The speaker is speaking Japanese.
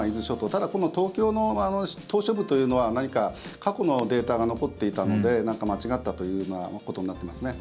ただこの東京の島しょ部というのは何か過去のデータが残っていたので間違ったというようなことになっていますね。